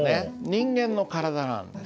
人間のからだなんです。